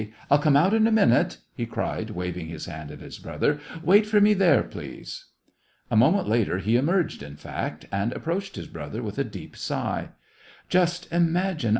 I'll come out in a minute !" he cried, waving his hand at his brother. " Wait for me there, please." A moment later he emerged, in fact, and ap proached his brother, with a deep sigh. "Just imagine